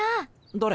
どれ？